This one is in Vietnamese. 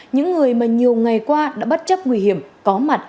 những người mà nhiều ngày qua đã bất chấp nguy hiểm có mặt